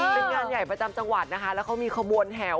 เป็นงานใหญ่ประจำจังหวัดนะคะแล้วเขามีขบวนแห่ว